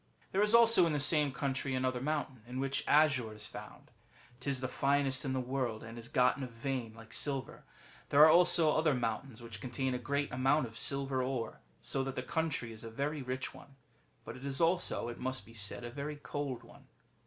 ^ There is also in the same country another mountain, in which azure is found ; 'tis the finest in the world, and is got in a vein like silver. There are also other 158 MARCO POLO Book I. mountains which contain a great amount of silver ore, so that the country is a very rich one ; but it is also (it must be said) a very cold one.